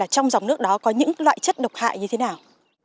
trong dòng nước đó có những loại chất độc hại như thế nào